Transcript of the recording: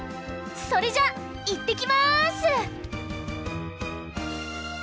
それじゃあいってきます！